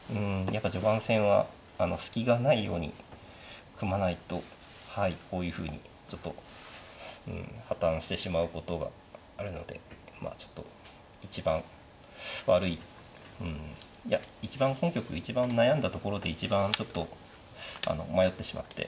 やっぱ序盤戦は隙がないように組まないとこういうふうにちょっと破綻してしまうことがあるのでまあちょっと一番悪いうんいや一番本局一番悩んだところで一番ちょっと迷ってしまって。